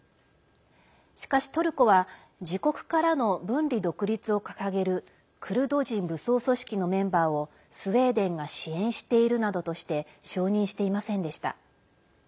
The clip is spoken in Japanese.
しかし、トルコは自国からの分離独立を掲げるクルド人武装組織のメンバーをスウェーデンが支援しているなどとして承認していませんでした。